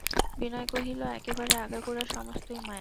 বিনয় কহিল, একেবারে আগাগোড়া সমস্তই মায়া?